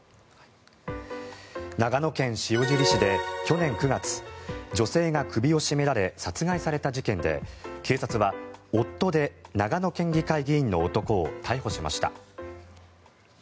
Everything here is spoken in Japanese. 長野県塩尻市で去年９月女性が首を絞められ殺害された事件で警察は夫で長野県議会議員の男を逮捕しました。